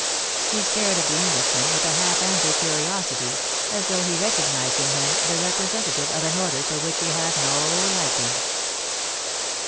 He stared at the Englishman with a half angry curiosit)', as though he recognised in him the representative of an order for which he had no liking.